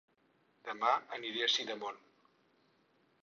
Dema aniré a Sidamon